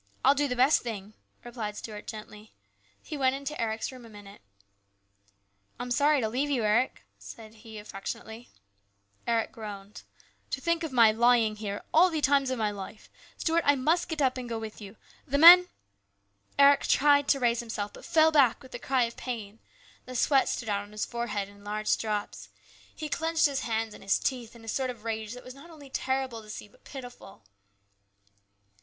" I'll do the best thing," replied Stuart gently. He went into Eric's room a minute. " I'm sorry to leave you, Eric," he said affectionately. Eric groaned. " To think of my lying here, of all times in my life ! Stuart, I must get up and go with you. The men " Eric tried to raise himself, but fell back with a cry of pain. The sweat stood out on his forehead in large drops. He clenched his hands and his teeth in a sort of rage that was not only terrible to see but pitiful.